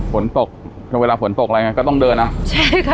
ฝนตกเวลาฝนตกอะไรไงก็ต้องเดินนะใช่ค่ะ